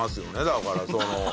だからその。